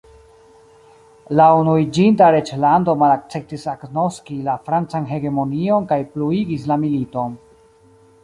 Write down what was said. La Unuiĝinta Reĝlando malakceptis agnoski la Francan hegemonion kaj pluigis la militon.